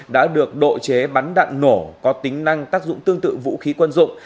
đã được độ chế bắn đạn nổ có tính năng tác dụng tương tự vũ khí quân dụng